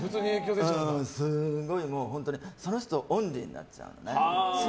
すごい、本当にその人オンリーになっちゃうのね